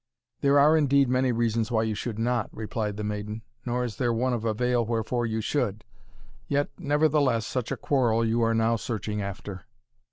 "There are, indeed, many reasons why you should not," replied the maiden, "nor is there one of avail wherefore you should yet nevertheless, such a quarrel you are now searching after."